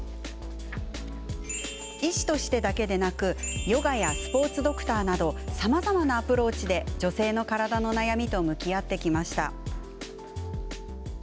医師としてだけでなくヨガやスポーツドクターなどさまざまなアプローチで女性の体の悩みと向き合ってきました。